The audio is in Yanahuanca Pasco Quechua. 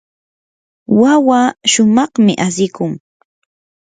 wawaa shumaqmi asikun.